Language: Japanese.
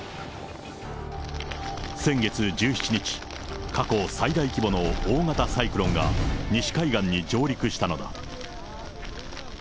先月１７日、過去最大規模の大型サイクロンが、西海岸に上陸したのだ。